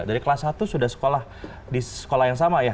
dari kelas satu sudah sekolah di sekolah yang sama ya